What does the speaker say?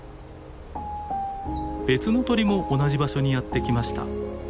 別の鳥も同じ場所にやって来ました。